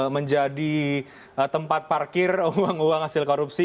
menjadi tempat parkir uang uang hasil korupsi